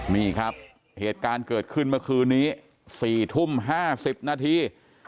นี่ครับเหตุการณ์เกิดขึ้นเมื่อคืนนี้๔ทุ่ม๕๐นาที